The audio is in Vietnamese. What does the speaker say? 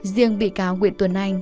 riêng bị cáo nguyễn tuấn anh